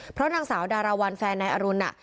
เพราะนางสาวดาราวัลแฟนนายอรุณน่ะ